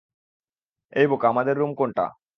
এই বোকা, আমাদের রুম কোনটা?